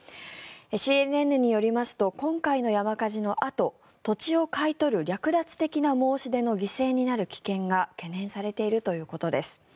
ＣＮＮによりますと今回の山火事のあと土地を買い取る略奪的な申し出の犠牲になる危険が懸念されているということです。